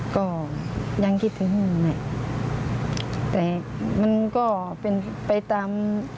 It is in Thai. ก็ยังคิดถึงแต่มันก็เป็นไปตาม